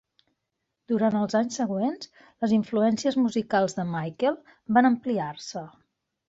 Durant els anys següents, les influències musicals de Michael van ampliar-se.